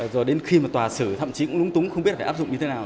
rồi đến khi mà tòa sử thậm chí cũng đúng túng không biết phải áp dụng như thế nào